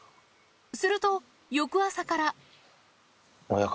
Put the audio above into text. すると、翌朝から。